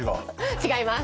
違います。